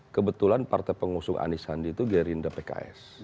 kebetulan partai pengusung anies sandi itu gerindra pks